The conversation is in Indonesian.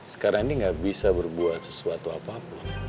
sekarang ini nggak bisa berbuat sesuatu apapun